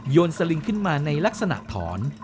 สลิงขึ้นมาในลักษณะถอน